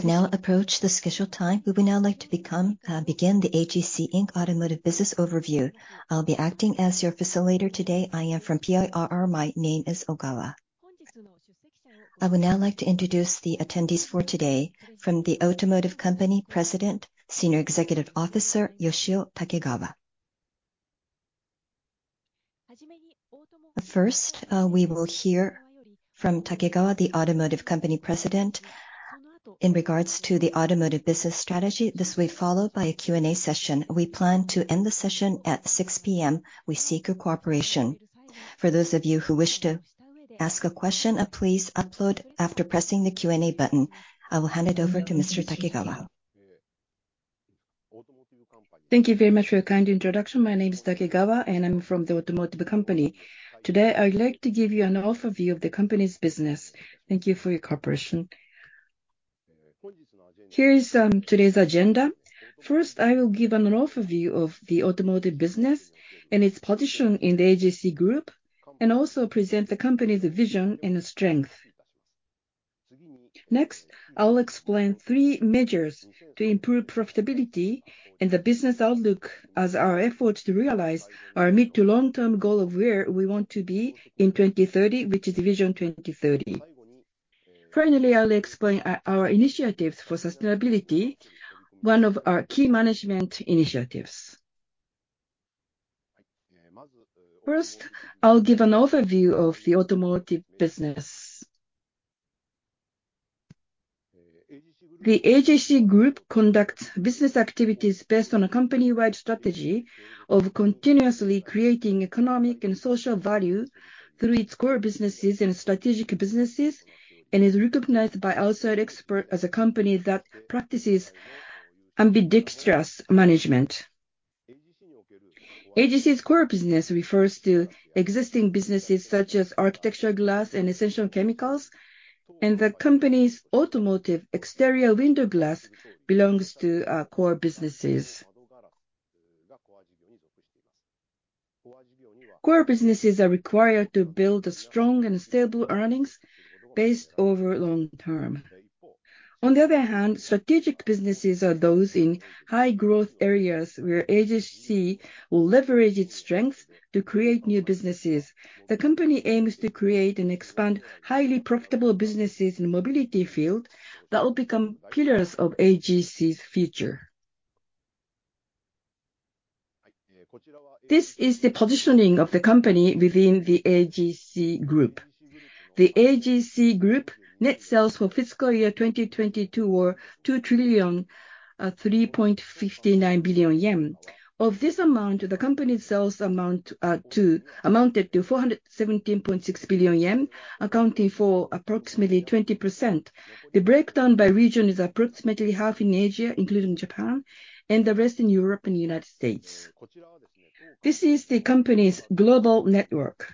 We've now approached the scheduled time. We would now like to begin the AGC Inc. Automotive Business Overview. I'll be acting as your facilitator today. I am from PIRR. My name is Ogawa. I would now like to introduce the attendees for today. From the automotive company, President, Senior Executive Officer, Yoshio Takegawa. First, we will hear from Takegawa, the Automotive Company President, in regards to the Automotive Business Strategy. This will be followed by a Q&A session. We plan to end the session at 6 P.M. We seek your cooperation. For those of you who wish to ask a question, please upload after pressing the Q&A button. I will hand it over to Mr. Takegawa. Thank you very much for your kind introduction. My name is Takegawa, and I'm from the Automotive Company. Today, I would like to give you an overview of the company's business. Thank you for your cooperation. Here is today's agenda. First, I will give an overview of the Automotive Business and its position in the AGC Group, and also present the company's vision and strength. Next, I will explain three measures to improve profitability and the business outlook as our efforts to realize our mid to long-term goal of where we want to be in 2030, which is Vision 2030. Finally, I'll explain our initiatives for sustainability, one of our key management initiatives. First, I'll give an overview of the Automotive Business. The AGC Group conducts business activities based on a company-wide strategy of continuously creating economic and social value through its core businesses and strategic businesses, and is recognized by outside experts as a company that practices Ambidextrous Management. AGC's core business refers to existing businesses such as architectural glass and essential chemicals, and the company's automotive exterior window glass belongs to our core businesses. Core businesses are required to build a strong and stable earnings base over long term. On the other hand, strategic businesses are those in high growth areas, where AGC will leverage its strength to create new businesses. The company aims to create and expand highly profitable businesses in the mobility field that will become pillars of AGC's future. This is the positioning of the company within the AGC Group. The AGC Group net sales for fiscal year 2022 were 2,003.59 trillion. Of this amount, the company's sales amounted to 417.6 billion yen, accounting for approximately 20%. The breakdown by region is approximately half in Asia, including Japan, and the rest in Europe and United States. This is the company's global network.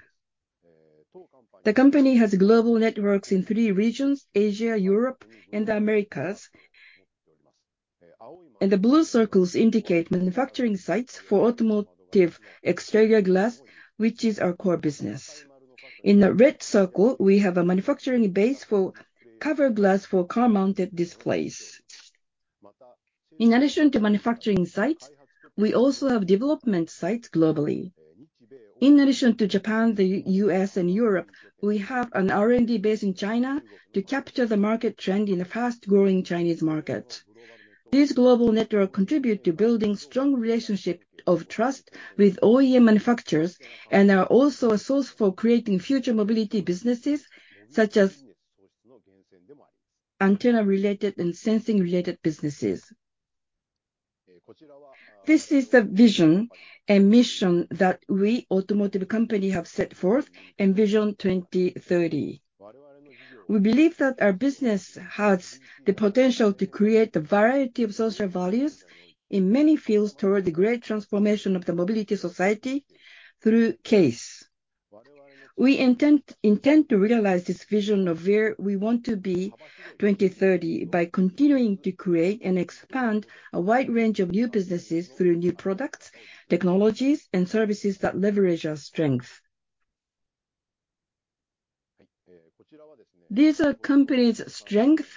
The company has global networks in three regions: Asia, Europe, and the Americas. The blue circles indicate manufacturing sites for automotive exterior glass, which is our core business. In the red circle, we have a manufacturing base for cover glass for car-mounted displays. In addition to manufacturing sites, we also have development sites globally. In addition to Japan, the U.S., and Europe, we have an R&D base in China to capture the market trend in the fast-growing Chinese market. This global network contribute to building strong relationships of trust with OEM manufacturers, and are also a source for creating future mobility businesses such as antenna-related and sensing-related businesses. This is the vision and mission that we, Automotive Company, have set forth in Vision 2030. We believe that our business has the potential to create a variety of social values in many fields toward the great transformation of the mobility society through CASE. We intend to realize this vision of where we want to be, 2030, by continuing to create and expand a wide range of new businesses through new products, technologies, and services that leverage our strength. These are company's strength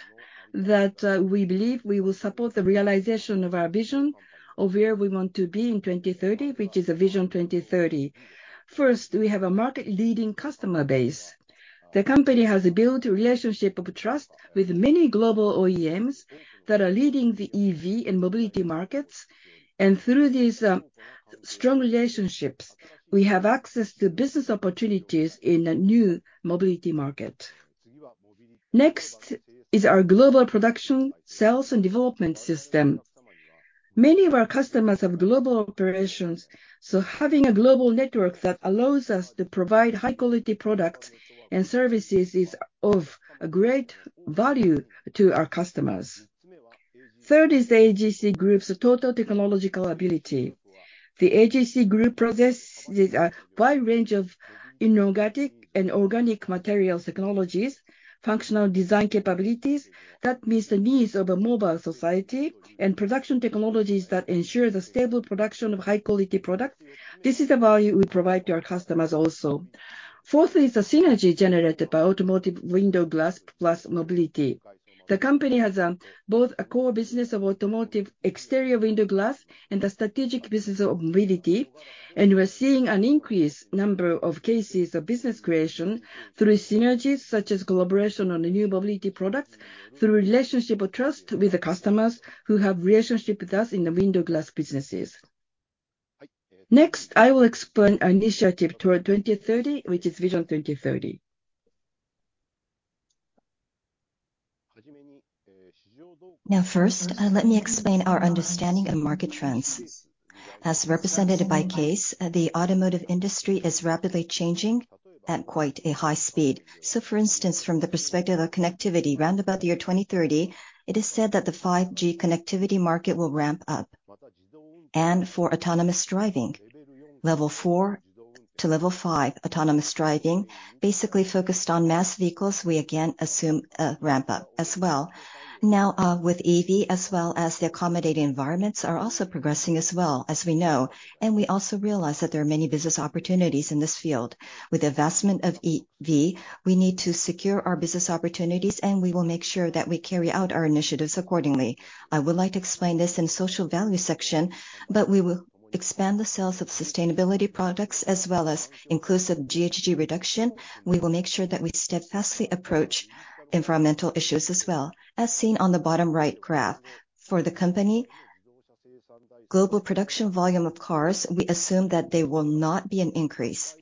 that, we believe we will support the realization of our vision of where we want to be in 2030, which is a Vision 2030. First, we have a market-leading customer base. The company has built a relationship of trust with many global OEMs that are leading the EV and mobility markets, and through these strong relationships, we have access to business opportunities in a new mobility market. Next is our global production, sales, and development system. Many of our customers have global operations, so having a global network that allows us to provide high-quality products and services is of a great value to our customers. Third is the AGC Group's total technological ability. The AGC Group possesses a wide range of inorganic and organic materials technologies, functional design capabilities that meets the needs of a mobile society, and production technologies that ensure the stable production of high-quality products. This is the value we provide to our customers also. ...Fourth is the synergy generated by automotive window glass plus mobility. The company has both a core business of automotive exterior window glass and a strategic business of mobility, and we're seeing an increased number of cases of business creation through synergies, such as collaboration on the new mobility products, through relationship of trust with the customers who have relationship with us in the window glass businesses. Next, I will explain our initiative toward 2030, which is Vision 2030. Now, first, let me explain our understanding of market trends. As represented by CASE, the automotive industry is rapidly changing at quite a high speed. So for instance, from the perspective of connectivity, round about the year 2030, it is said that the 5G connectivity market will ramp up. And for autonomous driving, Level 4 to Level 5 autonomous driving, basically focused on mass vehicles, we again assume a ramp up as well. Now, with EV, as well as the accommodating environments, are also progressing as well, as we know, and we also realize that there are many business opportunities in this field. With the advancement of EV, we need to secure our business opportunities, and we will make sure that we carry out our initiatives accordingly. I would like to explain this in social value section, but we will expand the sales of sustainability products as well as inclusive GHG reduction. We will make sure that we steadfastly approach environmental issues as well. As seen on the bottom right graph, for the company, global production volume of cars, we assume that there will not be an increase.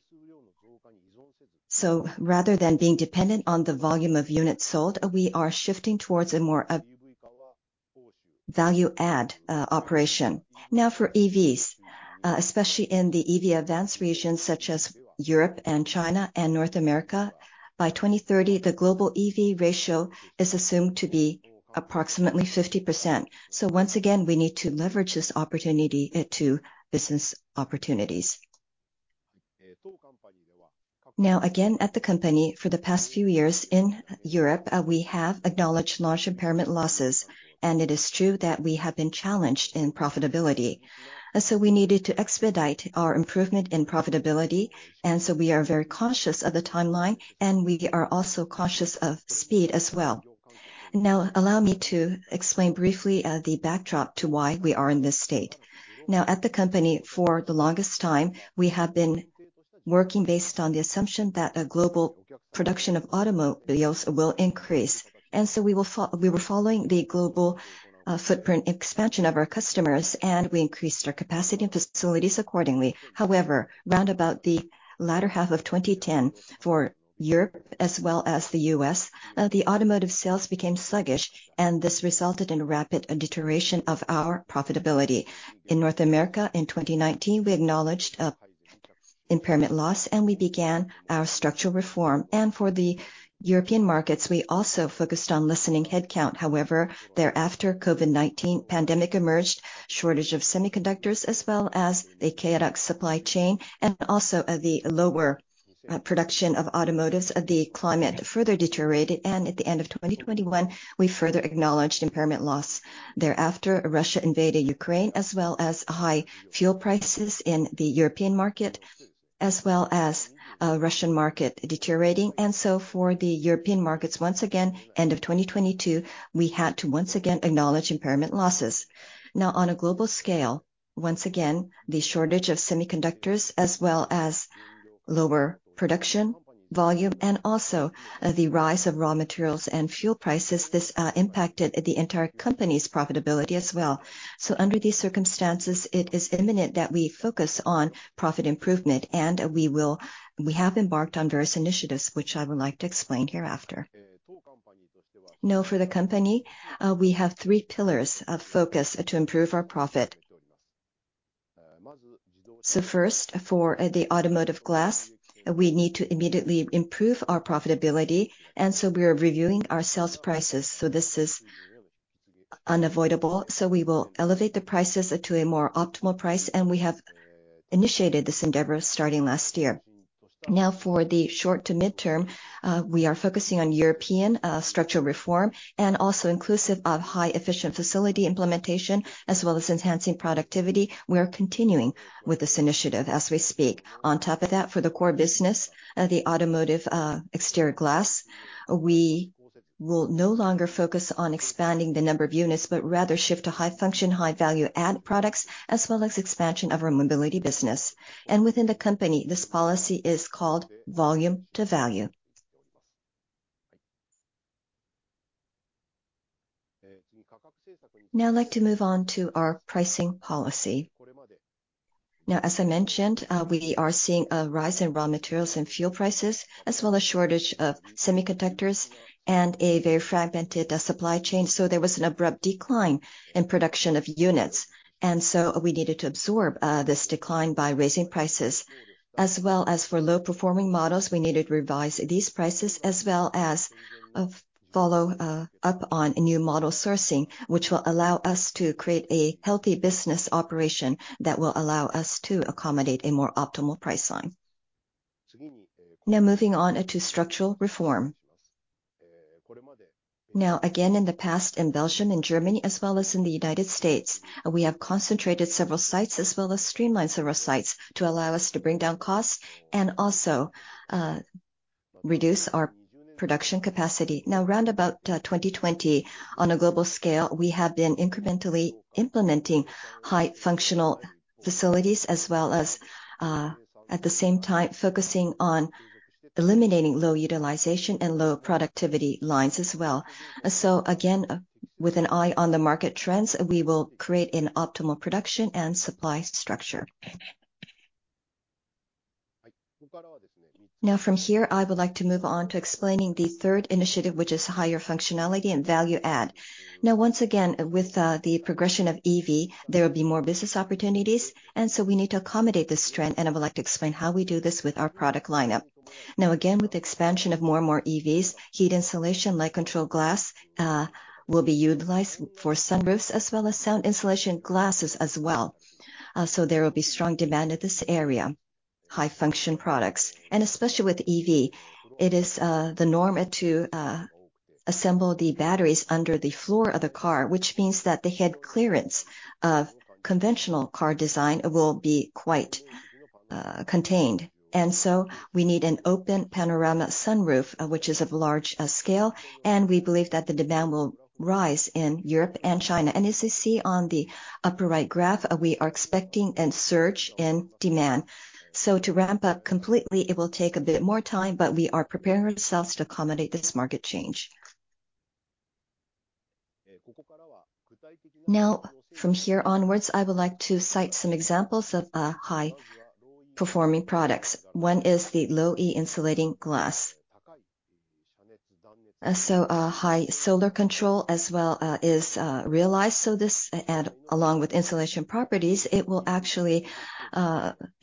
So rather than being dependent on the volume of units sold, we are shifting towards a more value add operation. Now, for EVs, especially in the EV advanced regions such as Europe and China and North America, by 2030, the global EV ratio is assumed to be approximately 50%. So once again, we need to leverage this opportunity into business opportunities. Now, again, at the company, for the past few years in Europe, we have acknowledged large impairment losses, and it is true that we have been challenged in profitability. And so we needed to expedite our improvement in profitability, and so we are very cautious of the timeline, and we are also cautious of speed as well. Now, allow me to explain briefly the backdrop to why we are in this state. Now, at the company, for the longest time, we have been working based on the assumption that, global production of automobiles will increase, and so we were following the global, footprint expansion of our customers, and we increased our capacity and facilities accordingly. However, round about the latter half of 2010, for Europe as well as the U.S., the automotive sales became sluggish, and this resulted in rapid deterioration of our profitability. In North America, in 2019, we acknowledged a impairment loss, and we began our structural reform. And for the European markets, we also focused on lessening headcount. However, thereafter, COVID-19 pandemic emerged, shortage of semiconductors, as well as a chaotic supply chain, and also, the lower, production of automotives, the climate further deteriorated, and at the end of 2021, we further acknowledged impairment loss. Thereafter, Russia invaded Ukraine, as well as high fuel prices in the European market, as well as Russian market deteriorating. So for the European markets, once again, end of 2022, we had to once again acknowledge impairment losses. Now, on a global scale, once again, the shortage of semiconductors as well as lower production volume and also the rise of raw materials and fuel prices, this impacted the entire company's profitability as well. So under these circumstances, it is imminent that we focus on profit improvement, and we have embarked on various initiatives, which I would like to explain hereafter. Now, for the company, we have three pillars of focus to improve our profit. So first, for the automotive glass, we need to immediately improve our profitability, and so we are reviewing our sales prices, so this is unavoidable. So we will elevate the prices to a more optimal price, and we have initiated this endeavor starting last year. Now, for the short to midterm, we are focusing on European structural reform and also inclusive of high efficient facility implementation, as well as enhancing productivity. We are continuing with this initiative as we speak. On top of that, for the core business, the automotive exterior glass, we will no longer focus on expanding the number of units, but rather shift to high function, high value add products, as well as expansion of our mobility business. And within the company, this policy is called Volume to Value. Now I'd like to move on to our pricing policy. Now, as I mentioned, we are seeing a rise in raw materials and fuel prices, as well as shortage of semiconductors and a very fragmented supply chain. So there was an abrupt decline in production of units, and so we needed to absorb this decline by raising prices. As well as for low-performing models, we needed to revise these prices, as well as follow up on a new model sourcing, which will allow us to create a healthy business operation that will allow us to accommodate a more optimal price line. Now, moving on to structural reform. Now, again, in the past, in Belgium and Germany, as well as in the United States, we have concentrated several sites as well as streamlined several sites to allow us to bring down costs and also reduce our production capacity. Now, around about 2020, on a global scale, we have been incrementally implementing high functional facilities as well as, at the same time, focusing on eliminating low utilization and low productivity lines as well. So again, with an eye on the market trends, we will create an optimal production and supply structure. Now from here, I would like to move on to explaining the third initiative, which is higher functionality and value add. Now, once again, with the progression of EV, there will be more business opportunities, and so we need to accommodate this trend, and I would like to explain how we do this with our product lineup. Now, again, with the expansion of more and more EVs, heat insulation, light control glass will be utilized for sunroofs as well as sound insulation glasses as well. So there will be strong demand in this area, high-function products. Especially with EV, it is the norm to assemble the batteries under the floor of the car, which means that the head clearance of conventional car design will be quite contained. So we need an open panoramic sunroof, which is of large scale, and we believe that the demand will rise in Europe and China. As you see on the upper right graph, we are expecting a surge in demand. To ramp up completely, it will take a bit more time, but we are preparing ourselves to accommodate this market change. Now, from here onwards, I would like to cite some examples of high-performing products. One is the Low-E insulating glass. So, high solar control as well is realized, so this, and along with insulation properties, it will actually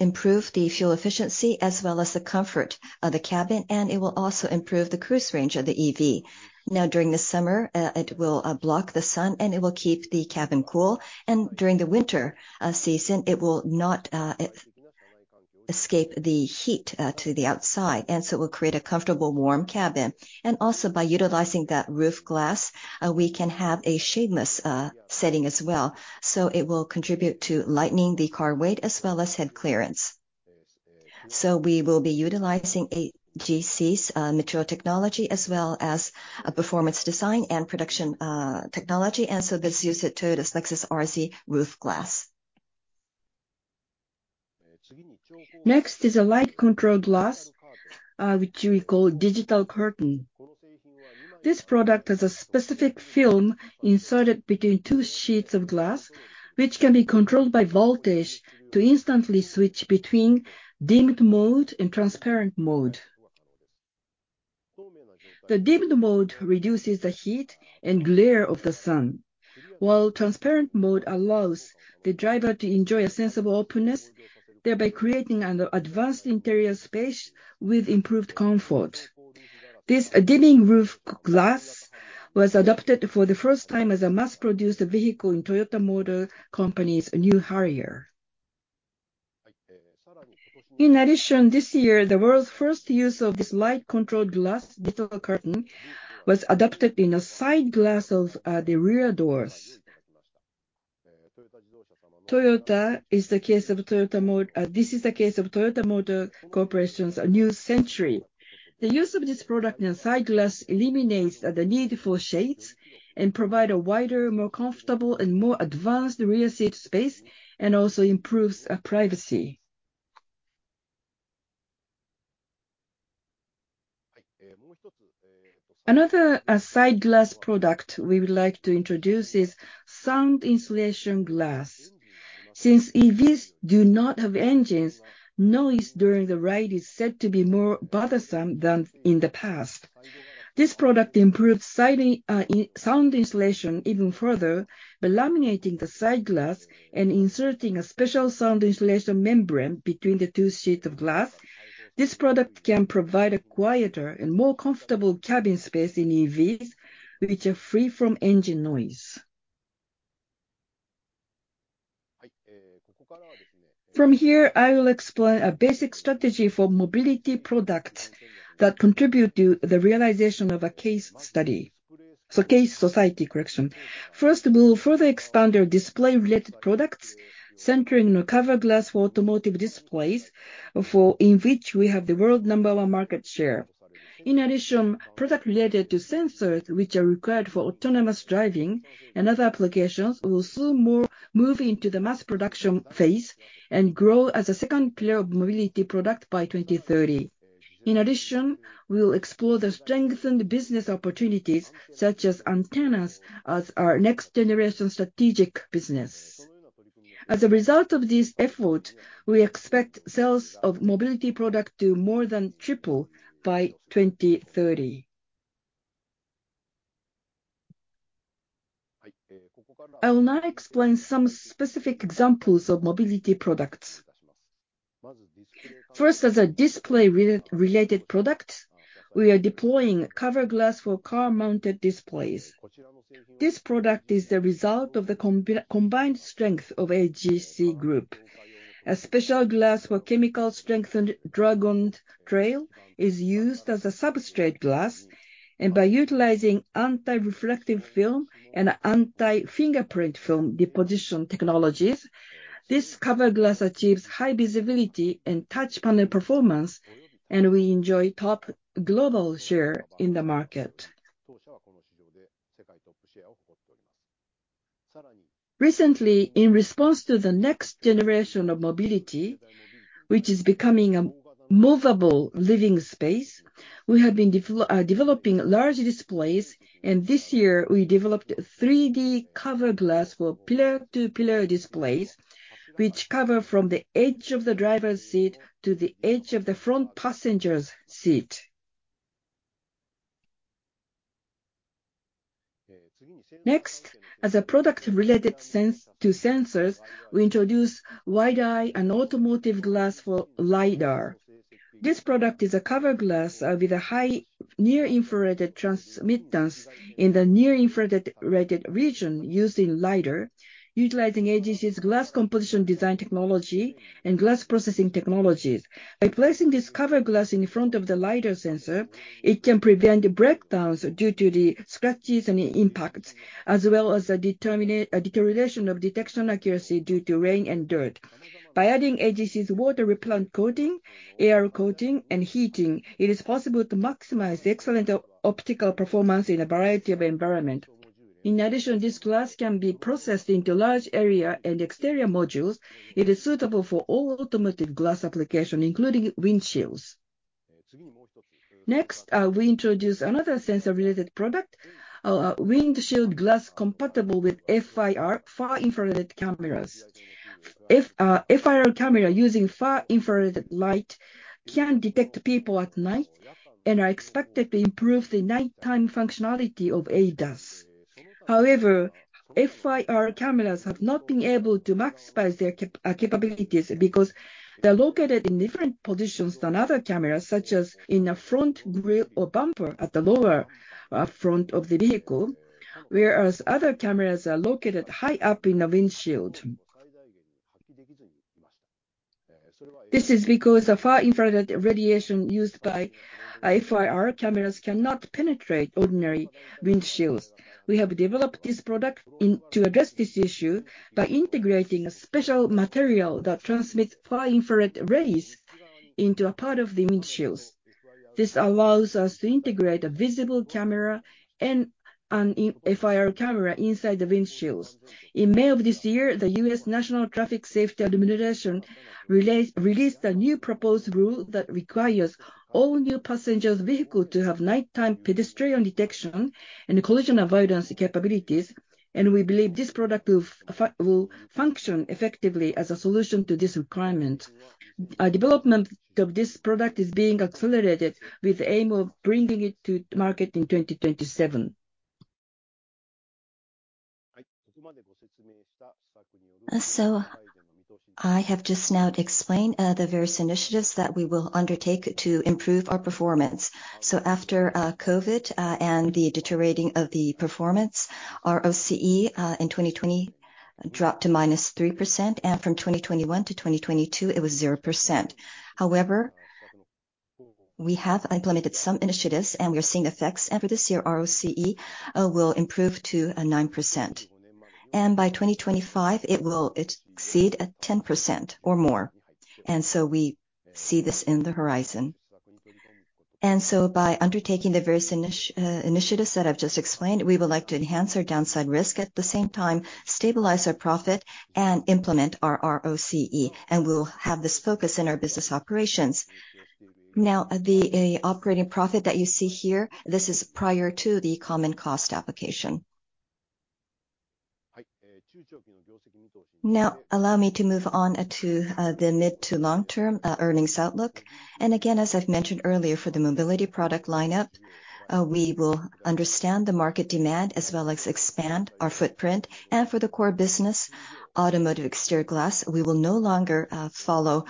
improve the fuel efficiency as well as the comfort of the cabin, and it will also improve the cruise range of the EV. Now, during the summer, it will block the sun, and it will keep the cabin cool, and during the winter season, it will not escape the heat to the outside, and so it will create a comfortable, warm cabin. And also, by utilizing that roof glass, we can have a shadeless setting as well, so it will contribute to lightening the car weight as well as head clearance. We will be utilizing AGC's material technology as well as a performance design and production technology, and so this is used in Toyota's Lexus RZ roof glass. Next is a light-controlled glass, which we call Digital Curtain. This product has a specific film inserted between two sheets of glass, which can be controlled by voltage to instantly switch between dimmed mode and transparent mode. The dimmed mode reduces the heat and glare of the sun, while transparent mode allows the driver to enjoy a sense of openness, thereby creating an advanced interior space with improved comfort. This dimming roof glass was adopted for the first time as a mass-produced vehicle in Toyota Motor Corporation's new Harrier. In addition, this year, the world's first use of this light-controlled glass Digital Curtain was adopted in the side glass of the rear doors. This is the case of Toyota Motor Corporation's new Century. The use of this product in the side glass eliminates the need for shades and provide a wider, more comfortable, and more advanced rear seat space, and also improves privacy. Another side glass product we would like to introduce is sound insulation glass. Since EVs do not have engines, noise during the ride is said to be more bothersome than in the past. This product improves side sound insulation even further by laminating the side glass and inserting a special sound insulation membrane between the two sheets of glass. This product can provide a quieter and more comfortable cabin space in EVs, which are free from engine noise. From here, I will explain a basic strategy for mobility products that contribute to the realization of a CASE society. First, we will further expand our display-related products, centering on cover glass for automotive displays, for in which we have the world number one market share. In addition, product related to sensors, which are required for autonomous driving and other applications, will soon move into the mass production phase and grow as a second pillar of mobility product by 2030. In addition, we will explore the strengthened business opportunities, such as antennas, as our next-generation strategic business. As a result of this effort, we expect sales of mobility product to more than triple by 2030. I will now explain some specific examples of mobility products. First, as a display-related product, we are deploying cover glass for car-mounted displays. This product is the result of the combined strength of AGC Group. ...A special glass for chemically strengthened Dragontrail is used as a substrate glass, and by utilizing anti-reflective film and anti-fingerprint film deposition technologies, this cover glass achieves high visibility and touch panel performance, and we enjoy top global share in the market. Recently, in response to the next generation of mobility, which is becoming a movable living space, we have been developing large displays, and this year we developed 3D cover glass for pillar-to-pillar displays, which cover from the edge of the driver's seat to the edge of the front passenger's seat. Next, as a product related to sensors, we introduce Wideye, an automotive glass for LiDAR. This product is a cover glass with a high near-infrared transmittance in the near-infrared region used in LiDAR, utilizing AGC's glass composition design technology and glass processing technologies. By placing this cover glass in front of the LiDAR sensor, it can prevent breakdowns due to the scratches and impacts, as well as a deterioration of detection accuracy due to rain and dirt. By adding AGC's water repellent coating, AR coating, and heating, it is possible to maximize the excellent optical performance in a variety of environment. In addition, this glass can be processed into large area and exterior modules. It is suitable for all automotive glass application, including windshields. Next, we introduce another sensor-related product, windshield glass compatible with FIR, far infrared cameras. FIR camera using far infrared light can detect people at night and are expected to improve the nighttime functionality of ADAS. However, FIR cameras have not been able to maximize their capabilities because they're located in different positions than other cameras, such as in a front grille or bumper at the lower front of the vehicle, whereas other cameras are located high up in the windshield. This is because the far infrared radiation used by FIR cameras cannot penetrate ordinary windshields. We have developed this product to address this issue by integrating a special material that transmits far infrared rays into a part of the windshields. This allows us to integrate a visible camera and an IR FIR camera inside the windshields. In May of this year, the U.S. National Highway Traffic Safety Administration released a new proposed rule that requires all new passenger vehicles to have nighttime pedestrian detection and collision avoidance capabilities, and we believe this product will function effectively as a solution to this requirement. Development of this product is being accelerated with the aim of bringing it to market in 2027. So I have just now explained the various initiatives that we will undertake to improve our performance. So after COVID and the deteriorating of the performance, our ROCE in 2020 dropped to -3%, and from 2021 to 2022, it was 0%. However, we have implemented some initiatives, and we're seeing effects, and for this year, ROCE will improve to 9%. By 2025, it will exceed 10% or more, and so we see this in the horizon. So by undertaking the various initiatives that I've just explained, we would like to enhance our downside risk, at the same time, stabilize our profit and implement our ROCE, and we'll have this focus in our business operations. Now, the operating profit that you see here, this is prior to the common cost application. Now, allow me to move on to the mid to long-term earnings outlook. And again, as I've mentioned earlier, for the mobility product lineup, we will understand the market demand as well as expand our footprint. For the core business, automotive exterior glass, we will no longer follow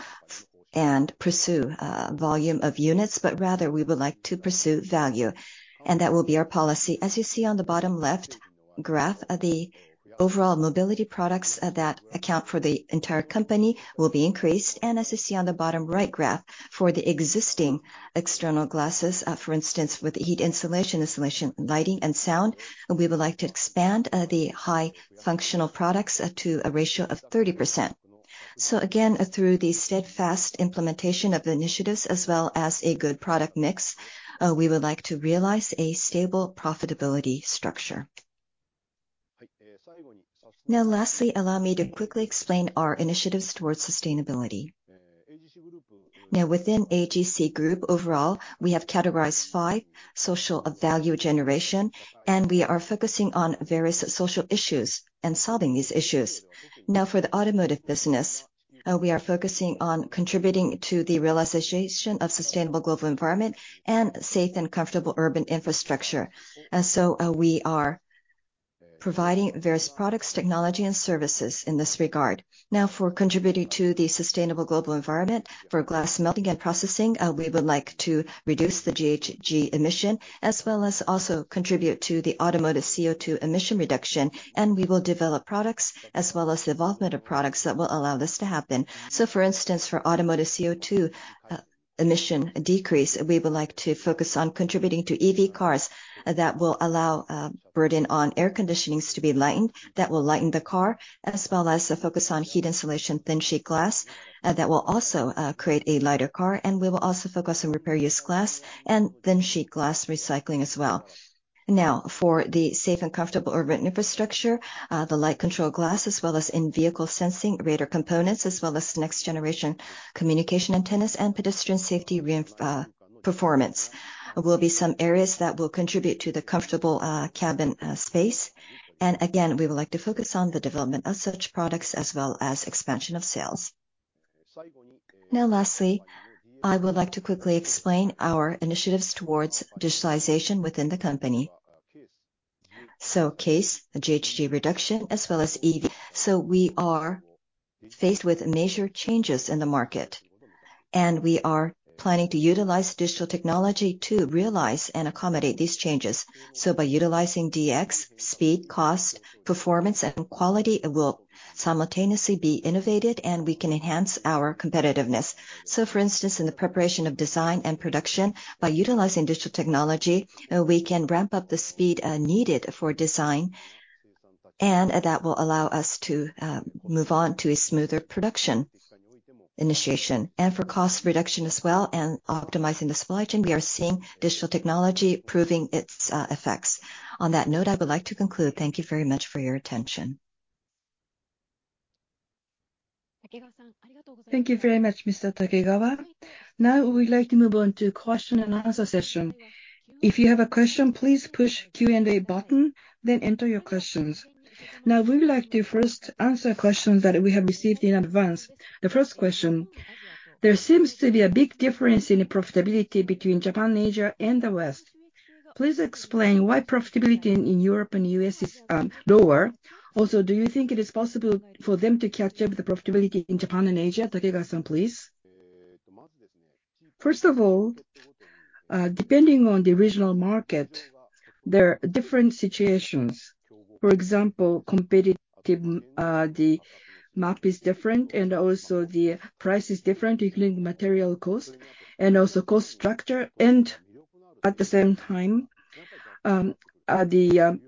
and pursue volume of units, but rather we would like to pursue value, and that will be our policy. As you see on the bottom left graph, the overall mobility products that account for the entire company will be increased. As you see on the bottom right graph, for the existing external glasses, for instance, with heat insulation, insulation, lighting, and sound, and we would like to expand the high functional products to a ratio of 30%. So again, through the steadfast implementation of the initiatives as well as a good product mix, we would like to realize a stable profitability structure. Now lastly, allow me to quickly explain our initiatives towards sustainability. Now, within AGC Group overall, we have categorized five social value generation, and we are focusing on various social issues and solving these issues. Now, for the automotive business, we are focusing on contributing to the realization of sustainable global environment and safe and comfortable urban infrastructure. And so, we are providing various products, technology and services in this regard. Now, for contributing to the sustainable global environment, for glass melting and processing, we would like to reduce the GHG emission, as well as also contribute to the automotive CO2 emission reduction, and we will develop products as well as the involvement of products that will allow this to happen. So for instance, for automotive CO2,... emission decrease, we would like to focus on contributing to EV cars that will allow burden on air conditionings to be lightened, that will lighten the car, as well as focus on heat insulation thin sheet glass that will also create a lighter car. And we will also focus on repair use glass and thin sheet glass recycling as well. Now, for the safe and comfortable urban infrastructure, the light control glass, as well as in-vehicle sensing radar components, as well as next generation communication antennas and pedestrian safety performance, will be some areas that will contribute to the comfortable cabin space. And again, we would like to focus on the development of such products, as well as expansion of sales. Now lastly, I would like to quickly explain our initiatives towards digitalization within the company. CASE, the GHG reduction, as well as EV. We are faced with major changes in the market, and we are planning to utilize digital technology to realize and accommodate these changes. By utilizing DX, speed, cost, performance, and quality, it will simultaneously be innovated, and we can enhance our competitiveness. For instance, in the preparation of design and production, by utilizing digital technology, we can ramp up the speed needed for design, and that will allow us to move on to a smoother production initiation. For cost reduction as well, and optimizing the supply chain, we are seeing digital technology proving its effects. On that note, I would like to conclude. Thank you very much for your attention. Thank you very much, Mr. Takegawa. Now we would like to move on to question and answer session. If you have a question, please push Q&A button, then enter your questions. Now, we would like to first answer questions that we have received in advance. The first question: There seems to be a big difference in the profitability between Japan and Asia and the West. Please explain why profitability in Europe and U.S. is lower. Also, do you think it is possible for them to catch up with the profitability in Japan and Asia? Takegawa-san, please. First of all, depending on the regional market, there are different situations. For example, competitive, the map is different, and also the price is different, including material cost and also cost structure. At the same time, the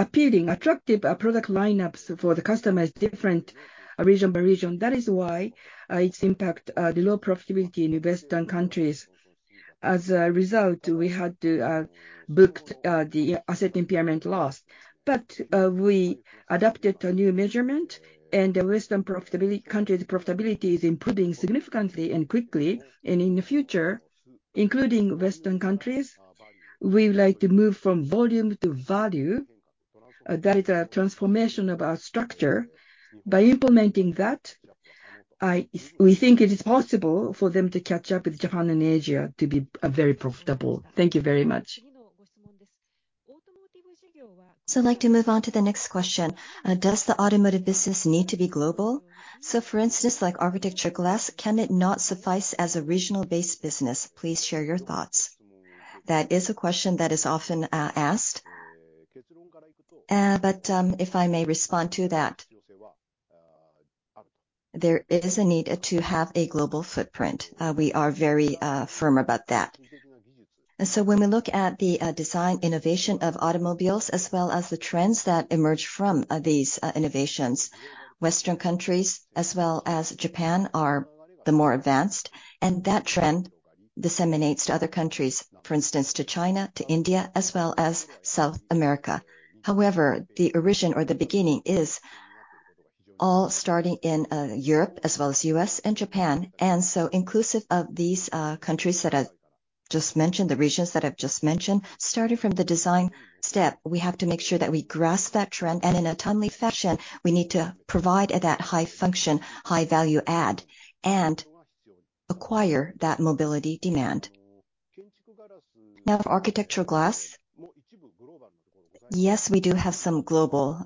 appealing, attractive product lineups for the customer is different region by region. That is why its impact, the low profitability in the Western countries. As a result, we had to book the asset impairment loss. But we adapted a new measurement, and the Western countries' profitability is improving significantly and quickly. In the future, including Western countries, we would like to move from volume to value. That is a transformation of our structure. By implementing that, we think it is possible for them to catch up with Japan and Asia to be very profitable. Thank you very much. So I'd like to move on to the next question. Does the automotive business need to be global? So for instance, like architecture glass, can it not suffice as a regional-based business? Please share your thoughts. That is a question that is often asked. But if I may respond to that, there is a need to have a global footprint. We are very firm about that. And so when we look at the design innovation of automobiles, as well as the trends that emerge from these innovations, Western countries as well as Japan are the more advanced, and that trend disseminates to other countries, for instance, to China, to India, as well as South America. However, the origin or the beginning is all starting in, Europe, as well as U.S. and Japan, and so inclusive of these, countries that I just mentioned, the regions that I've just mentioned, starting from the design step, we have to make sure that we grasp that trend, and in a timely fashion, we need to provide that high function, high value add, and acquire that mobility demand. Now, for architectural glass, yes, we do have some global,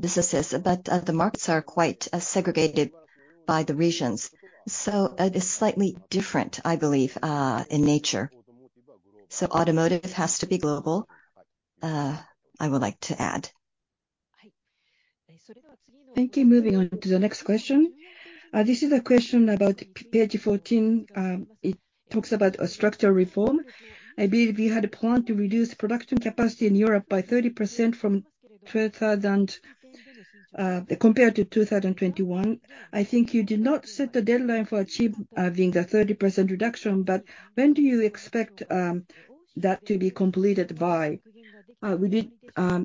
businesses, but, the markets are quite, segregated by the regions, so it is slightly different, I believe, in nature. So automotive has to be global, I would like to add. Thank you. Moving on to the next question. This is a question about page 14. It talks about a structural reform. I believe you had a plan to reduce production capacity in Europe by 30% from 2000 compared to 2021. I think you did not set a deadline for achieve the 30% reduction, but when do you expect that to be completed by? Within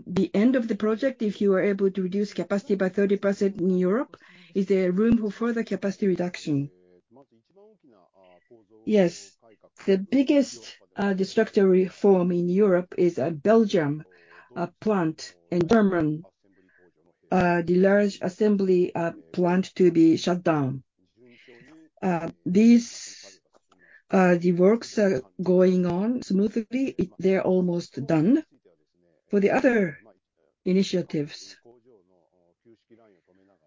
the end of the project, if you are able to reduce capacity by 30% in Europe, is there room for further capacity reduction? Yes. The biggest structural reform in Europe is a Belgium plant, and Germany the large assembly plant to be shut down. These the works are going on smoothly. They're almost done. For the other initiatives,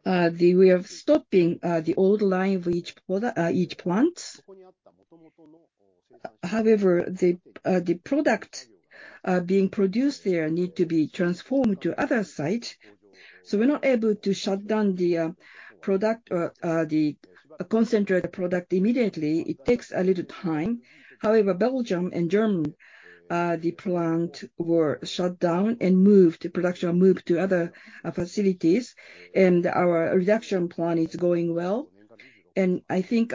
we are stopping the old line of each product, each plant. However, the product-... being produced there need to be transformed to other sites. So we're not able to shut down the, product or, the concentrated product immediately. It takes a little time. However, Belgium and Germany, the plant were shut down and moved, the production moved to other, facilities, and our reduction plan is going well. And I think,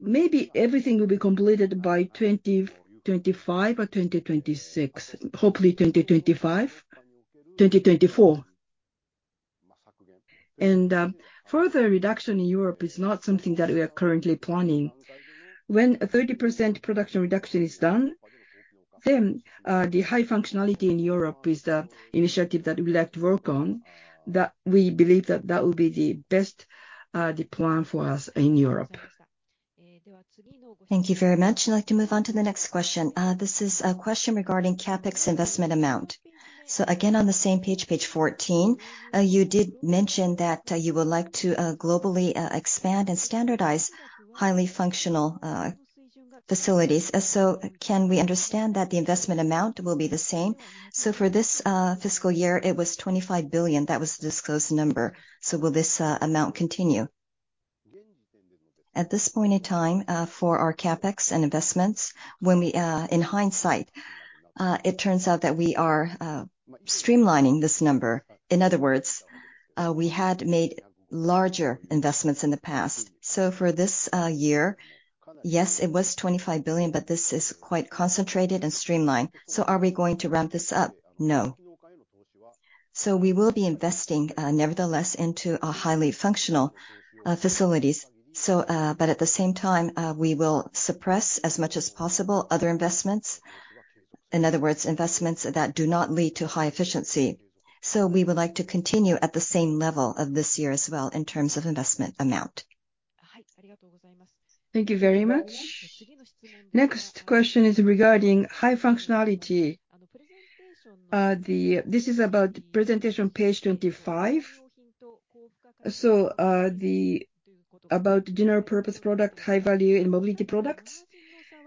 maybe everything will be completed by 2025 or 2026. Hopefully 2024. And, further reduction in Europe is not something that we are currently planning. When a 30% production reduction is done, then, the high functionality in Europe is the initiative that we'd like to work on, that we believe that that will be the best, the plan for us in Europe. Thank you very much. I'd like to move on to the next question. This is a question regarding CapEx investment amount. Again, on the same page, page 14, you did mention that you would like to globally expand and standardize highly functional facilities. Can we understand that the investment amount will be the same? For this fiscal year, it was 25 billion. That was the disclosed number. Will this amount continue? At this point in time, for our CapEx and investments, when we... In hindsight, it turns out that we are streamlining this number. In other words, we had made larger investments in the past. For this year, yes, it was 25 billion, but this is quite concentrated and streamlined. Are we going to ramp this up? No. We will be investing, nevertheless, into a highly functional facilities. But at the same time, we will suppress, as much as possible, other investments. In other words, investments that do not lead to high efficiency. We would like to continue at the same level of this year as well in terms of investment amount. Thank you very much. Next question is regarding high functionality. This is about presentation page 25. About general purpose product, high value and mobility products.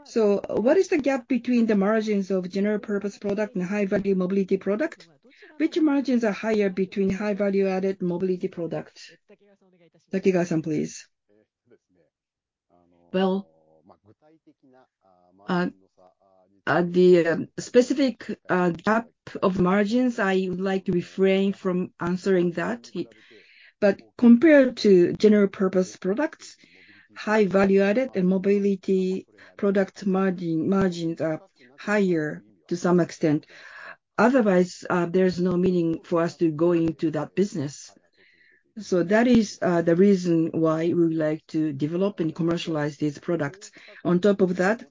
So what is the gap between the margins of general purpose product and high value mobility product? Which margins are higher between high value-added mobility products? Takegawa-san, please. Well, the specific gap of margins, I would like to refrain from answering that. But compared to general purpose products, high value-added and mobility products margin, margins are higher to some extent. Otherwise, there's no meaning for us to go into that business. So that is the reason why we would like to develop and commercialize these products. On top of that,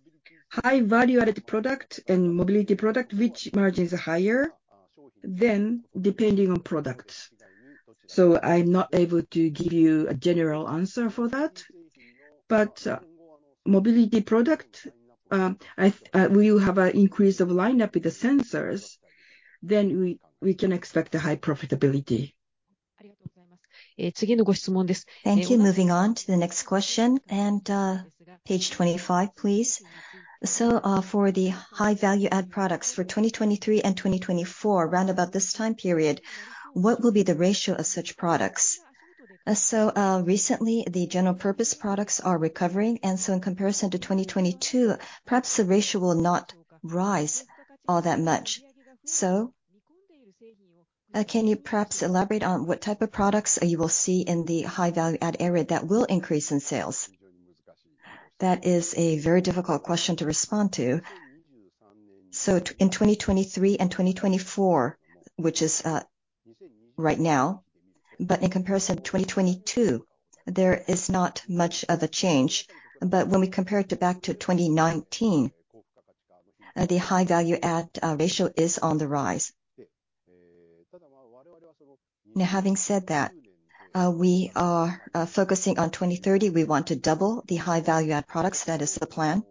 high value-added product and mobility product, which margins are higher? Then depending on products. So I'm not able to give you a general answer for that, but, mobility product, we will have an increase of lineup with the sensors, then we can expect a high profitability. Thank you. Moving on to the next question, and, page 25, please. So, for the high value add products for 2023 and 2024, around about this time period, what will be the ratio of such products? So, recently, the general purpose products are recovering, and so in comparison to 2022, perhaps the ratio will not rise all that much. So, can you perhaps elaborate on what type of products you will see in the high value add area that will increase in sales? That is a very difficult question to respond to. So in 2023 and 2024, which is, right now, but in comparison to 2022, there is not much of a change. But when we compare it to back to 2019, the high value add, ratio is on the rise. Now, having said that, we are, focusing on 2030. We want to double the high value add products. That is the plan.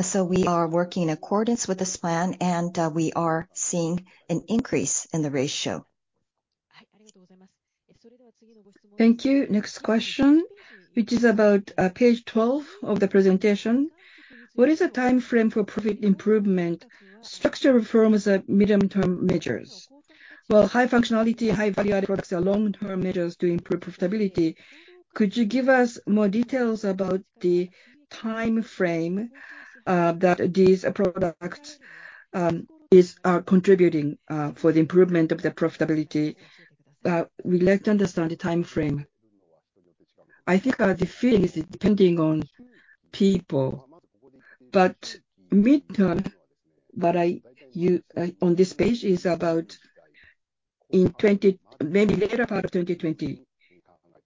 So we are working in accordance with this plan, and, we are seeing an increase in the ratio. Thank you. Next question, which is about page twelve of the presentation. What is the timeframe for profit improvement? Structural reforms are medium-term measures, while high functionality, high value-added products are long-term measures to improve profitability. Could you give us more details about the timeframe that these products are contributing for the improvement of the profitability? We'd like to understand the timeframe. I think, the feeling is depending on people, but mid-term, on this page, is about in 2020 -- maybe later part of 2020,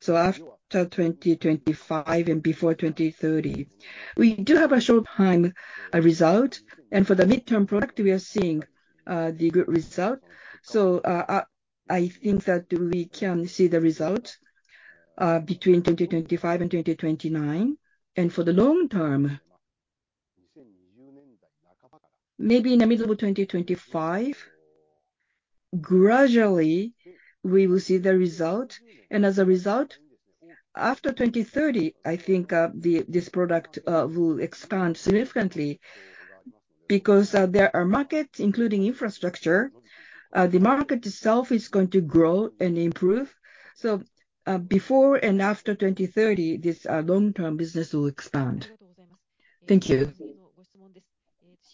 so after 2025 and before 2030. We do have a short-term result, and for the mid-term product, we are seeing the good result. So, I think that we can see the result between 2025 and 2029. And for the long term, maybe in the middle of 2025- ... gradually, we will see the result, and as a result, after 2030, I think, this product will expand significantly. Because there are markets, including infrastructure, the market itself is going to grow and improve. So, before and after 2030, this long-term business will expand. Thank you.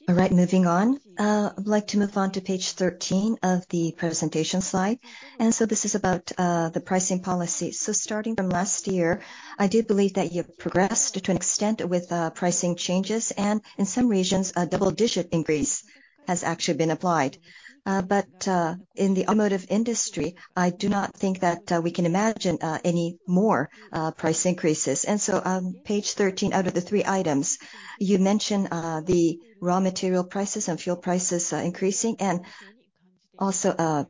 All right, moving on. I'd like to move on to page 13 of the presentation slide, and so this is about the pricing policy. So starting from last year, I do believe that you've progressed to an extent with pricing changes, and in some regions, a double-digit increase has actually been applied. But in the automotive industry, I do not think that we can imagine any more price increases. And so on page 13, out of the 3 items, you mention the raw material prices and fuel prices increasing, and also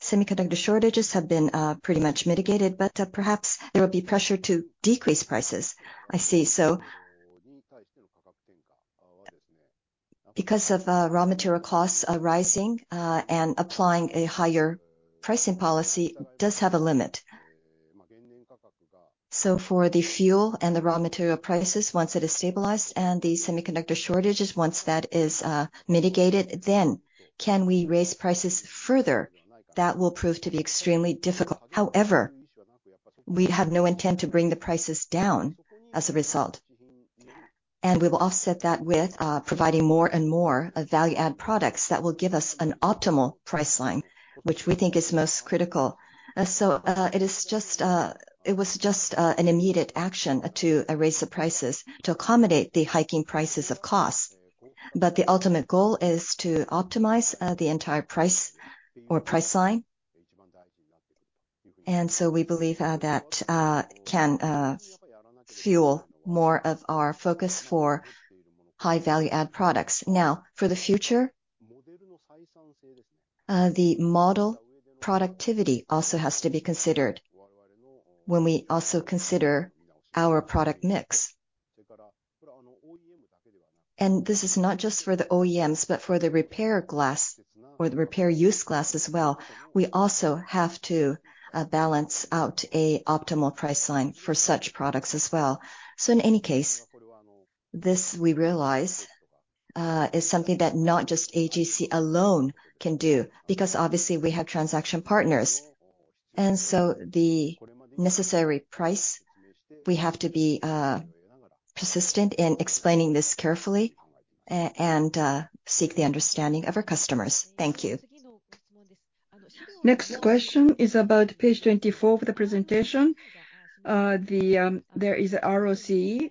semiconductor shortages have been pretty much mitigated, but perhaps there will be pressure to decrease prices. I see. So because of raw material costs rising, and applying a higher pricing policy does have a limit. So for the fuel and the raw material prices, once it is stabilized, and the semiconductor shortages, once that is, mitigated, then can we raise prices further? That will prove to be extremely difficult. However, we have no intent to bring the prices down as a result, and we will offset that with, providing more and more value-add products that will give us an optimal price line, which we think is most critical. So, it is just, it was just, an immediate action, to raise the prices to accommodate the hiking prices of costs. But the ultimate goal is to optimize, the entire price or price line. And so we believe, that, can, fuel more of our focus for high-value add products. Now, for the future, the model productivity also has to be considered when we also consider our product mix. And this is not just for the OEMs, but for the repair glass or the repair use glass as well. We also have to balance out a optimal price line for such products as well. So in any case, this, we realize, is something that not just AGC alone can do, because obviously we have transaction partners. And so the necessary price, we have to be persistent in explaining this carefully and seek the understanding of our customers. Thank you. Next question is about page 24 of the presentation. There is ROCE.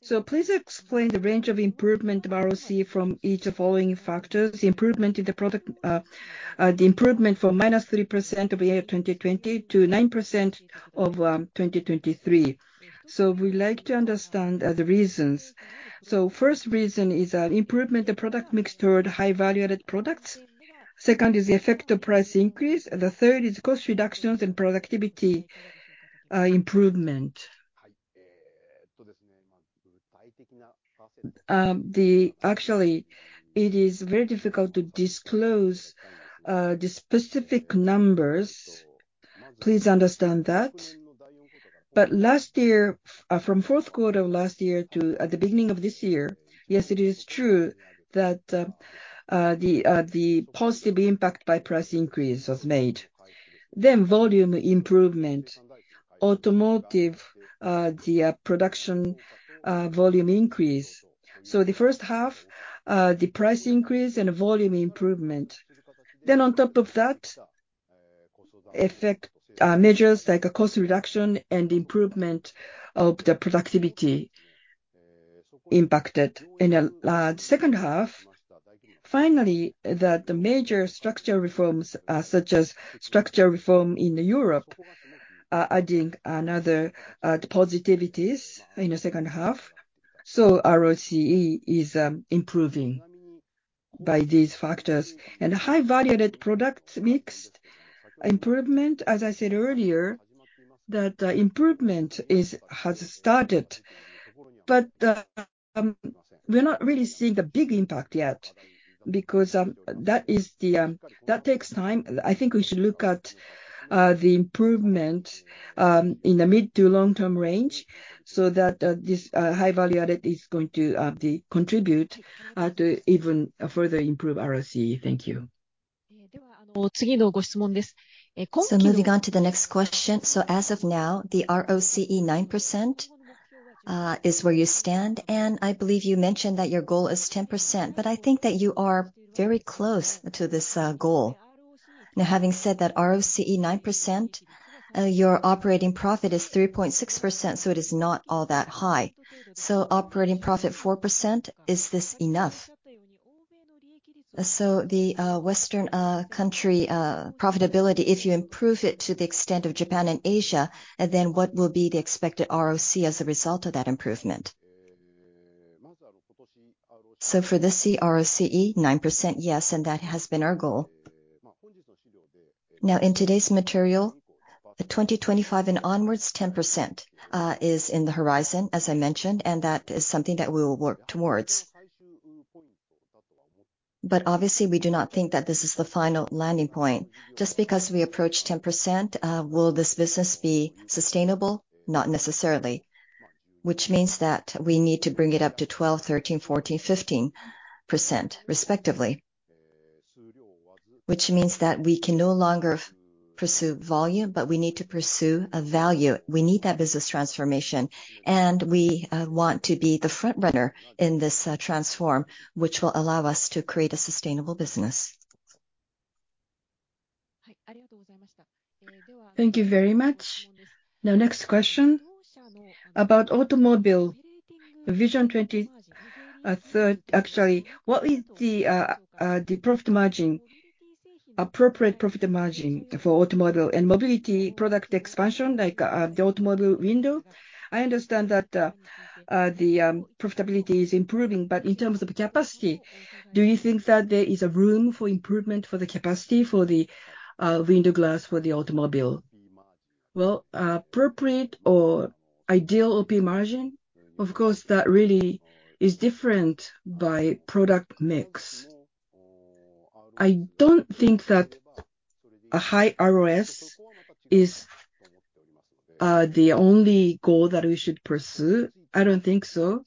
So please explain the range of improvement of ROCE from each of the following factors: the improvement in the product, the improvement from -3% of the year 2020 to 9% of, 2023. So we'd like to understand, the reasons. So first reason is, improvement the product mix toward high value-added products. Second is the effect of price increase. The third is cost reductions and productivity, improvement. Actually, it is very difficult to disclose, the specific numbers. Please understand that. But last year, from fourth quarter of last year to, the beginning of this year, yes, it is true that, the, the positive impact by price increase was made. Then volume improvement, automotive, the production volume increase. So the first half, the price increase and volume improvement. Then on top of that, effect measures like a cost reduction and improvement of the productivity impacted. In the second half, finally, that the major structural reforms, such as structural reform in Europe, are adding another positivities in the second half. So ROCE is improving by these factors. And high-value-added products mix improvement, as I said earlier, that improvement has started. But we're not really seeing the big impact yet, because that is the... That takes time. I think we should look at the improvement in the mid- to long-term range, so that this high-value-added is going to contribute to even further improve ROCE. Thank you. So moving on to the next question. So as of now, the ROCE 9% is where you stand, and I believe you mentioned that your goal is 10%, but I think that you are very close to this goal. Now, having said that, ROCE 9%, your operating profit is 3.6%, so it is not all that high. So operating profit 4%, is this enough? So the Western country profitability, if you improve it to the extent of Japan and Asia, then what will be the expected ROCE as a result of that improvement? For this year, ROCE 9%, yes, and that has been our goal. Now, in today's material-... 2025 and onwards, 10%, is in the horizon, as I mentioned, and that is something that we will work towards. But obviously, we do not think that this is the final landing point. Just because we approach 10%, will this business be sustainable? Not necessarily, which means that we need to bring it up to 12%, 13%, 14%, 15% respectively. Which means that we can no longer pursue volume, but we need to pursue a value. We need that business transformation, and we want to be the front runner in this transform, which will allow us to create a sustainable business. Thank you very much. Now, next question. About automobile, Vision 2030, actually, what is the profit margin, appropriate profit margin for automobile and mobility product expansion, like the automobile window? I understand that the profitability is improving, but in terms of capacity, do you think that there is a room for improvement for the capacity for the window glass for the automobile? Well, appropriate or ideal OP margin, of course, that really is different by product mix. I don't think that a high ROS is the only goal that we should pursue. I don't think so.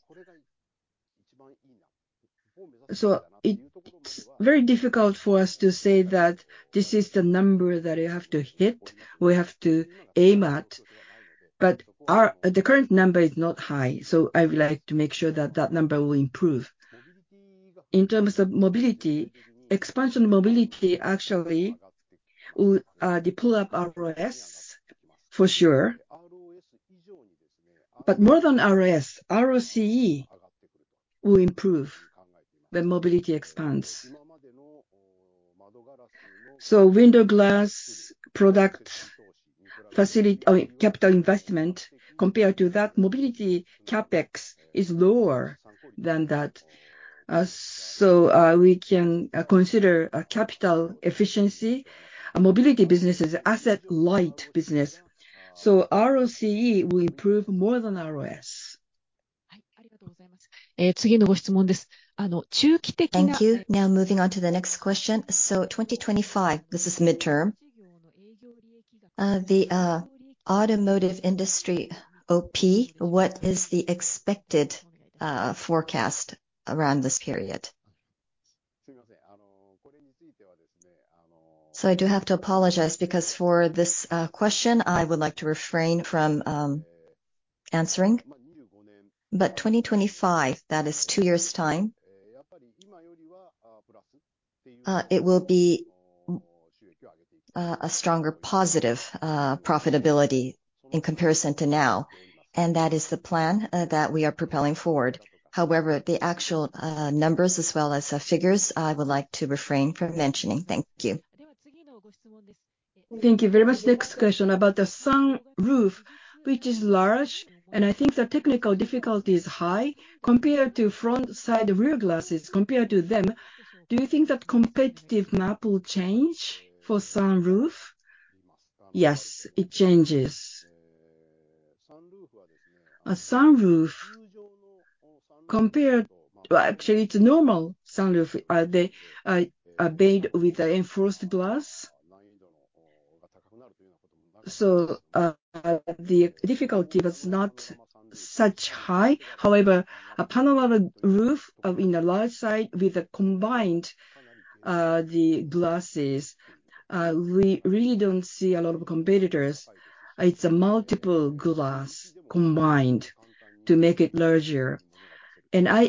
It's very difficult for us to say that this is the number that we have to hit, we have to aim at, but our... The current number is not high, so I would like to make sure that that number will improve. In terms of mobility, expansion mobility actually will pull up ROS for sure. But more than ROS, ROCE will improve the mobility expanse. So window glass product capital investment, compared to that, mobility CapEx is lower than that. So, we can consider a capital efficiency. A mobility business is asset light business, so ROCE will improve more than ROS. Thank you. Now moving on to the next question. So 2025, this is midterm, the automotive industry OP, what is the expected forecast around this period? So I do have to apologize, because for this question, I would like to refrain from answering. But 2025, that is two years' time, it will be a stronger positive profitability in comparison to now, and that is the plan that we are propelling forward. However, the actual numbers as well as figures, I would like to refrain from mentioning. Thank you. Thank you very much. Next question about the sunroof, which is large, and I think the technical difficulty is high compared to front, side, rear glasses, compared to them. Do you think that competitive map will change for sunroof? Yes, it changes. A sunroof compared to—actually, to normal sunroof, they are made with reinforced glass. So, the difficulty was not so high. However, a panoramic roof in a large size with combined glasses, we really don't see a lot of competitors. It's multiple glass combined to make it larger. And I,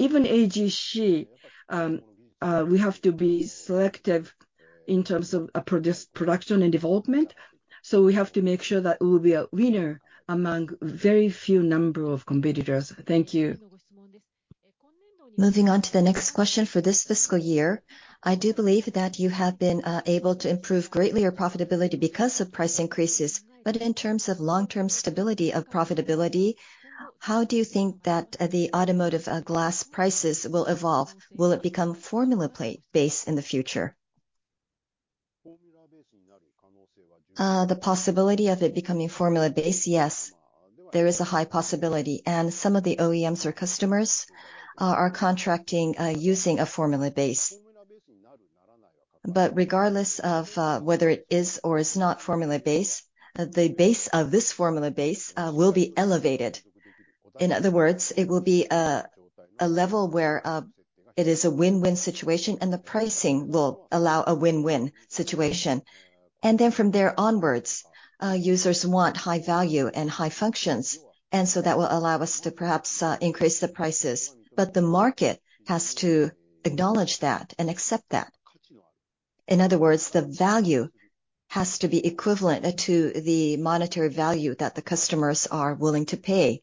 even AGC, we have to be selective in terms of production and development, so we have to make sure that we'll be a winner among very few number of competitors. Thank you. Moving on to the next question for this fiscal year, I do believe that you have been able to improve greatly your profitability because of price increases. But in terms of long-term stability of profitability, how do you think that the automotive glass prices will evolve? Will it become formula plate-based in the future? The possibility of it becoming formula-based, yes, there is a high possibility, and some of the OEMs or customers are contracting using a formula base. But regardless of whether it is or is not formula-based, the base of this formula base will be elevated. In other words, it will be a level where it is a win-win situation, and the pricing will allow a win-win situation. And then from there onwards, users want high value and high functions, and so that will allow us to perhaps increase the prices. But the market has to acknowledge that and accept that. In other words, the value has to be equivalent to the monetary value that the customers are willing to pay.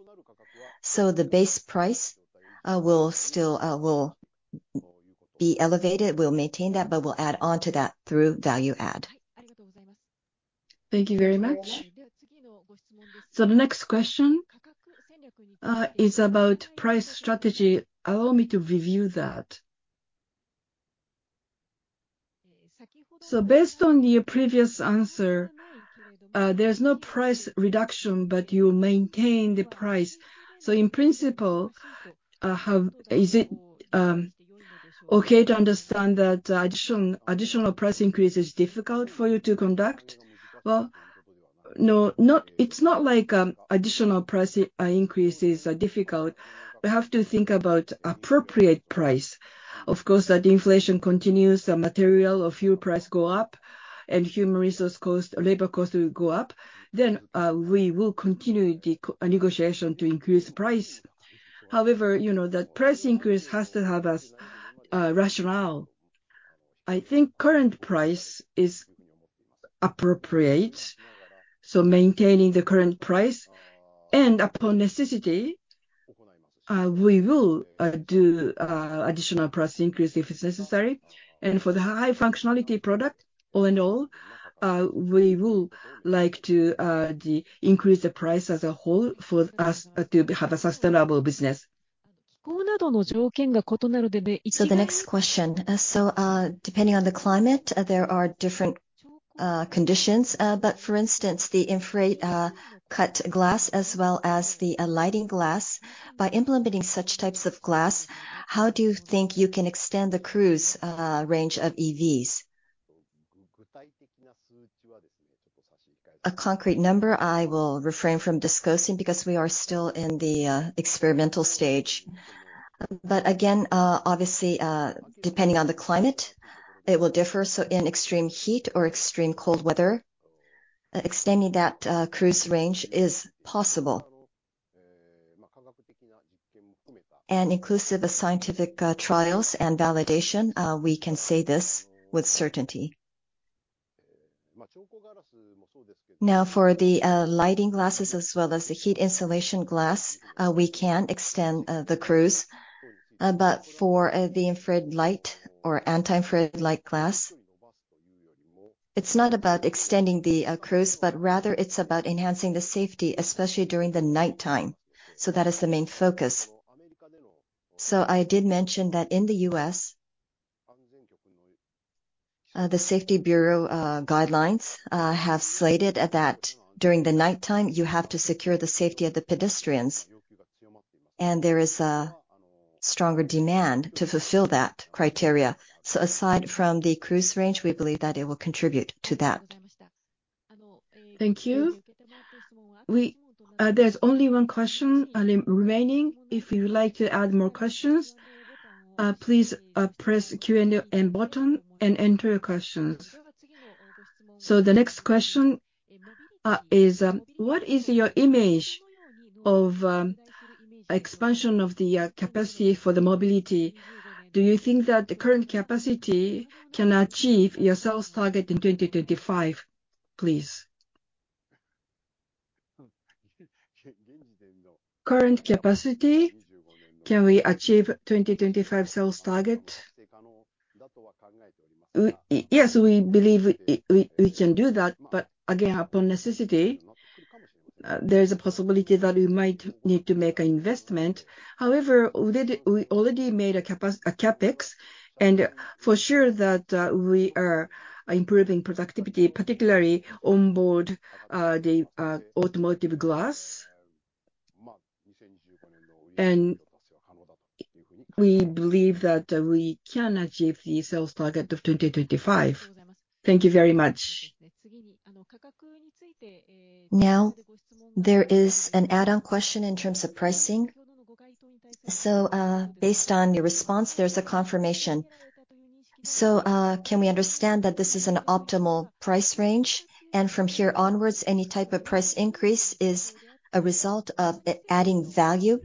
So the base price will still be elevated. We'll maintain that, but we'll add on to that through value add. Thank you very much. The next question is about price strategy. Allow me to review that.... So based on your previous answer, there's no price reduction, but you maintain the price. So in principle, is it okay to understand that additional, additional price increase is difficult for you to conduct? Well, no, it's not like additional price increases are difficult. We have to think about appropriate price. Of course, that inflation continues, the material or fuel price go up, and human resource cost, labor cost will go up, then we will continue the co-negotiation to increase the price. However, you know, that price increase has to have a rationale. I think current price is appropriate, so maintaining the current price, and upon necessity, we will do additional price increase if it's necessary. For the high functionality product, all in all, we would like to increase the price as a whole for us to have a sustainable business. The next question. Depending on the climate, there are different conditions, but for instance, the infrared cut glass as well as the lighting glass, by implementing such types of glass, how do you think you can extend the cruise range of EVs? A concrete number I will refrain from disclosing, because we are still in the experimental stage. But again, obviously, depending on the climate, it will differ. So in extreme heat or extreme cold weather, extending that cruise range is possible. And inclusive of scientific trials and validation, we can say this with certainty. Now, for the lighting glasses as well as the heat insulation glass, we can extend the cruise. But for the infrared light or anti-infrared light glass, it's not about extending the cruise, but rather it's about enhancing the safety, especially during the nighttime, so that is the main focus. So I did mention that in the U.S., the safety bureau guidelines have stated that during the nighttime, you have to secure the safety of the pedestrians, and there is a stronger demand to fulfill that criteria. So aside from the cruise range, we believe that it will contribute to that. Thank you. We, there's only one question remaining. If you would like to add more questions, please press Q&A button and enter your questions. So the next question is: What is your image of expansion of the capacity for the mobility? Do you think that the current capacity can achieve your sales target in 2025, please? Current capacity, can we achieve 2025 sales target? Yes, we believe we can do that, but again, upon necessity, there is a possibility that we might need to make an investment. However, we already made a CapEx, and for sure that we are improving productivity, particularly on board the automotive glass. And we believe that we can achieve the sales target of 2025. Thank you very much. Now, there is an add-on question in terms of pricing. So, based on your response, there's a confirmation. So, can we understand that this is an optimal price range, and from here onwards, any type of price increase is a result of adding value,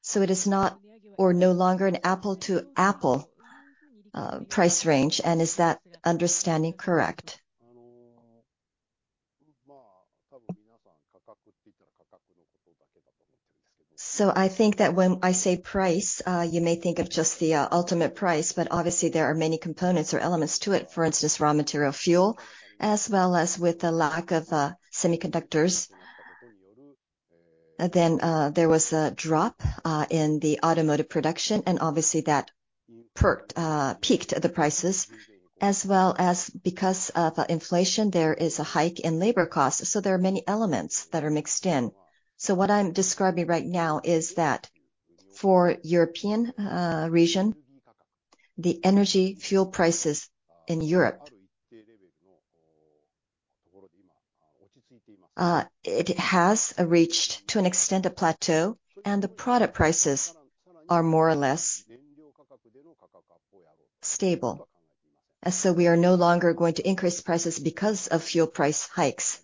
so it is not or no longer an apple-to-apple price range, and is that understanding correct? So I think that when I say price, you may think of just the ultimate price, but obviously there are many components or elements to it. For instance, raw material fuel, as well as with the lack of semiconductors. Then there was a drop in the automotive production, and obviously that peaked the prices, as well as because of inflation, there is a hike in labor costs, so there are many elements that are mixed in. So what I'm describing right now is that for European region, the energy fuel prices in Europe, it has reached to an extent, a plateau, and the product prices are more or less stable. So we are no longer going to increase prices because of fuel price hikes.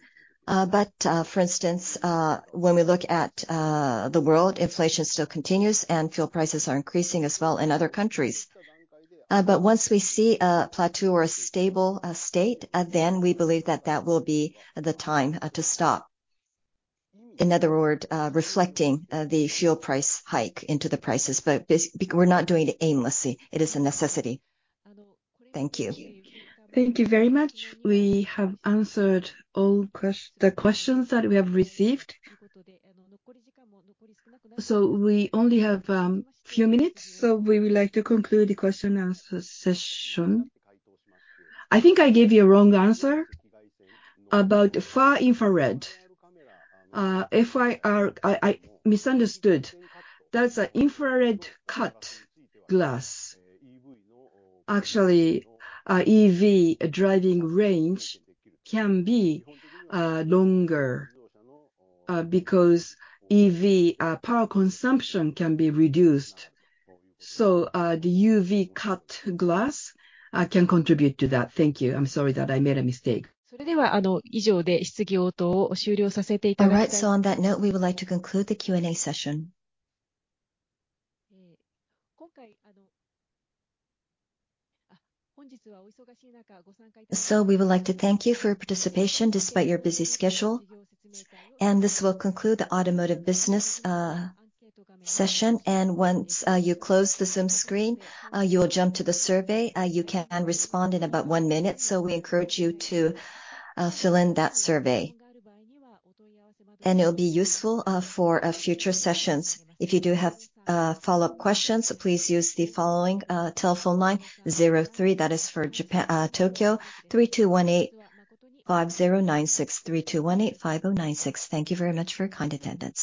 But for instance, when we look at the world, inflation still continues, and fuel prices are increasing as well in other countries. But once we see a plateau or a stable state, then we believe that that will be the time to stop, in other words, reflecting the fuel price hike into the prices. But we're not doing it aimlessly. It is a necessity. Thank you. Thank you very much. We have answered all the questions that we have received. So we only have few minutes, so we would like to conclude the question-and-answer session. I think I gave you a wrong answer about far infrared. FIR, I misunderstood. That's an infrared cut glass. Actually, EV driving range can be longer because EV power consumption can be reduced, so the UV cut glass can contribute to that. Thank you. I'm sorry that I made a mistake. All right, so on that note, we would like to conclude the Q&A session. So we would like to thank you for your participation, despite your busy schedule, and this will conclude the automotive business session. And once you close the Zoom screen, you will jump to the survey. You can respond in about one minute, so we encourage you to fill in that survey. It'll be useful for future sessions. If you do have follow-up questions, please use the following telephone line: 03, that is for Japan, Tokyo, 3218-5096, 3218-5096. Thank you very much for your kind attendance.